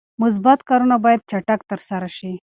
مثبت کارونه باید چټک ترسره شي.